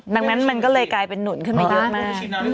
ดังนั้นมันก็เลยกลายเป็นหนุนขึ้นมาเยอะมาก